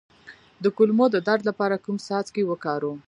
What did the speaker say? د کولمو د درد لپاره کوم څاڅکي وکاروم؟